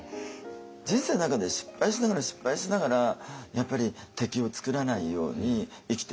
人生の中で失敗しながら失敗しながらやっぱり敵を作らないように生きていかなきゃいけない。